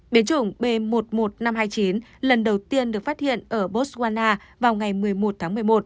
biến chủng b một mươi một nghìn năm trăm hai mươi chín lần đầu tiên được phát hiện ở botswana vào ngày một mươi một tháng một mươi một